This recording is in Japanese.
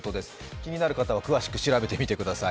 気になる方は詳しく調べてみてください。